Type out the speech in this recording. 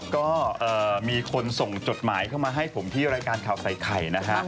ก็มีคนส่งจดหมายเข้ามาให้ผมที่รายการข่าวใส่ไข่นะฮะ